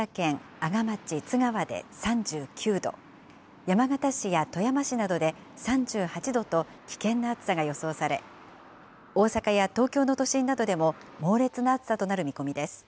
阿賀町津川で３９度、山形市や富山市などで３８度と、危険な暑さが予想され、大阪や東京の都心などでも猛烈な暑さとなる見込みです。